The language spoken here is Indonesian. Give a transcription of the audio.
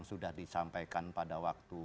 sudah disampaikan pada waktu